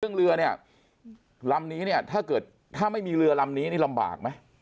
ซึ่งเรือเนี่ยลำนี้เนี่ยถ้าเกิดถ้าไม่มีเรือลำนี้นี่ลำบากไหม